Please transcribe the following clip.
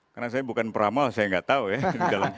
karena saya bukan pramal saya enggak tahu ya